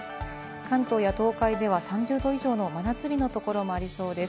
関東や東海では３０度以上の真夏日のところもありそうです。